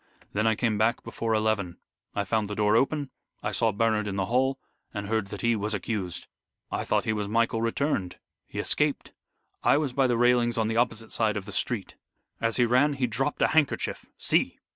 Then I came back before eleven. I found the door open, I saw Bernard in the hall, and heard that he was accused. I thought he was Michael returned. He escaped. I was by the railings on the opposite side of the street. As he ran he dropped a handkerchief. See!"